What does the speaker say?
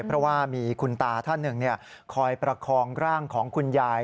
เพราะว่ามีคุณตาท่านหนึ่งคอยประคองร่างของคุณยาย